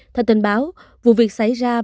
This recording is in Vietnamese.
theo tin báo vụ việc xảy ra